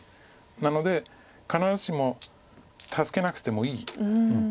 なので必ずしも助けなくてもいい。